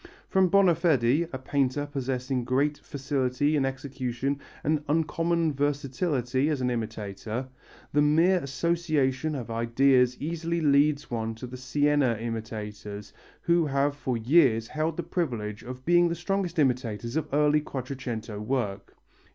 From Bonafedi, a painter possessing great facility in execution and uncommon versatility as an imitator, the mere association of ideas easily leads one to the Siena imitators who have for years held the privilege of being the strongest imitators of early Quattrocento work.